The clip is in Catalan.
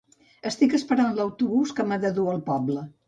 Estic esperant l'autobús que m'ha de dur al poble